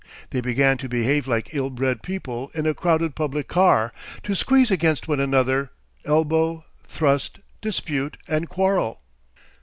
They began to behave like ill bred people in a crowded public car, to squeeze against one another, elbow, thrust, dispute and quarrel.